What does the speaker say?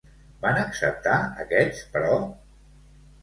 Van acceptar aquests, però?